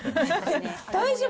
大丈夫？